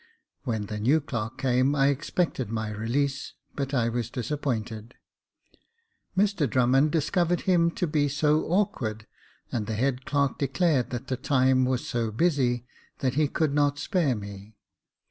"When the new clerk came, I expected my release, but I was disappointed. Mr Drummond discovered him to be so awkward, and the head clerk declared that the time was so busy, that he could not spare me.